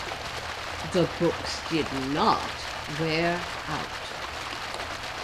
The books did not wear out.